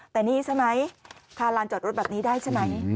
แต่นี่ใช่ไหมคาลานจอดรถแบบนี้ได้ใช่ไหม